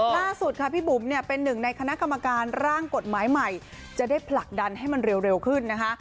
ล่าสุดค่ะพี่บุ๋มเนี่ยเป็นหนึ่งในคณะกรรมการร่างกฎหมายใหม่จะได้ผลักดันให้มันเร็วขึ้นนะคะ